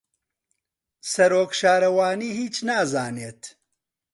سەرۆک شارەوانی هیچ نازانێت.